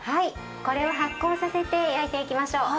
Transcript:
これを発酵させて焼いていきましょう。